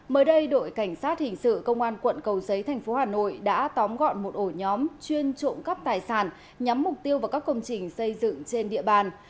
mới đây đội cảnh sát hình sự công an quận cầu giấy thành phố hà nội đã tóm gọn một ổ nhóm chuyên trộm cắp tài sản nhắm mục tiêu vào các công trình xây dựng trên địa bàn